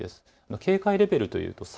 警戒レベルでいうと３。